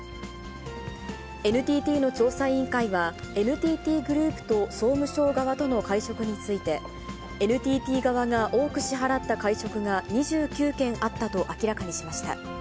ＮＴＴの調査委員会は、ＮＴＴグループと総務省側との会食について、ＮＴＴ側が多く支払った会食が２９件あったと明らかにしました。